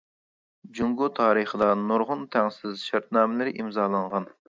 جۇڭگو تارىخىدا نۇرغۇن تەڭسىز شەرتنامىلەر ئىمزالانغان.